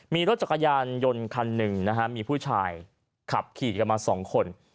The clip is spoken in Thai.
มีรถจักรยานยนต์คันหนึ่งนะฮะมีผู้ชายขับขี่กันมา๒คน